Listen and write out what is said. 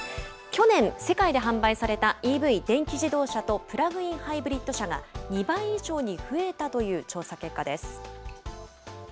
去年、世界で販売されたＥＶ・電気自動車とプラグインハイブリッド車が、２倍以上に増えたという調査結果です。